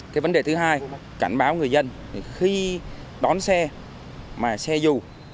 cái vấn đề thứ hai cảnh báo người dân khi đón xe mà xe dù